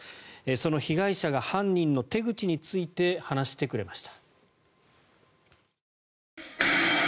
その被害者が犯人の手口について話してくれました。